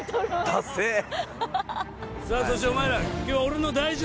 さぁそしてお前ら。